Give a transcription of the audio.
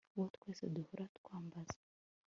uwo twese duhora twambaza